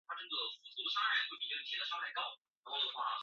波斯尼亚的塞尔维亚共和国被洪水淹没至瘫痪程度。